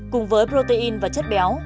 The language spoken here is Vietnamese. cùng với protein và chất béo